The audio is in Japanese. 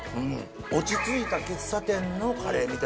落ち着いた喫茶店のカレーみたいななんか。